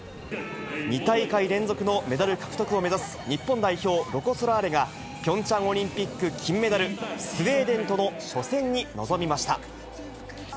２大会連続のメダル獲得を目指す日本代表、ロコ・ソラーレが、ピョンチャンオリンピック金メダル、スウェーデンとの初戦に臨みました。